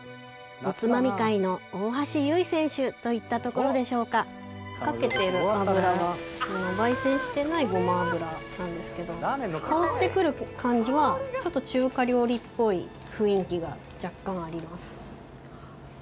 おつまみ界の大橋悠依選手といったところでしょうかかけてる油が焙煎してないごま油なんですけど香ってくる感じはちょっと中華料理っぽい雰囲気が若干あります。